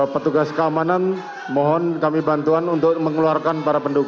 petugas keamanan mohon kami bantuan untuk mengeluarkan para pendukung